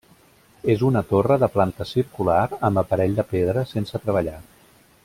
És una torre de planta circular amb aparell de pedra sense treballar.